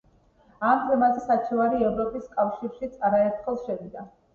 ამ თემაზე საჩივარი ევროპის კავშირშიც არაერთხელ შევიდა.